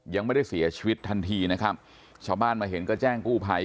ยังไม่ได้เสียชีวิตทันทีนะครับชาวบ้านมาเห็นก็แจ้งกู้ภัย